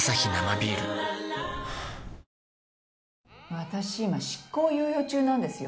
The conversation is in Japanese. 私今執行猶予中なんですよ